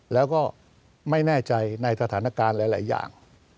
แล้วก็ไม่แน่ใจในสถานการณ์หลายอย่าง